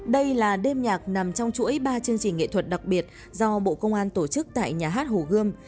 đây là đêm nhạc nằm trong chuỗi ba chương trình nghệ thuật đặc biệt do bộ công an tổ chức tại nhà hát hồ gươm